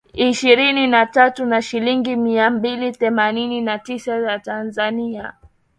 ishirini na tatu na shilingi mia mbili themanini na tisa za Tanzania